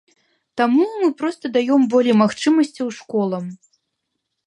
Таму мы проста даём болей магчымасцяў школам.